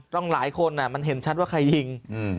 หลายคนมันเห็นชัดว่าใครยิง